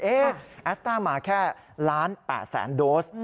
เอ๊ะแอสตาร์มาแค่๑๘๐๐๐๐๐โดส